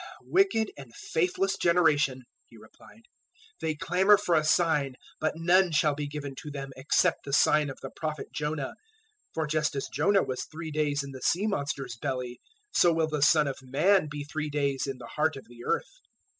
012:039 "Wicked and faithless generation!" He replied, "they clamour for a sign, but none shall be given to them except the sign of the Prophet Jonah. 012:040 For just as Jonah was three days in the sea monster's belly, so will the Son of Man be three days in the heart of the earth.